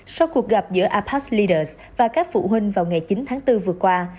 sau cuộc gặp giữa apac leaders và các phụ huynh vào ngày chín tháng bốn vừa qua